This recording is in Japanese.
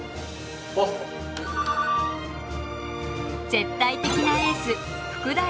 絶対的なエース